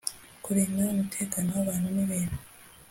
Kurinda umutekano w abantu n ibintu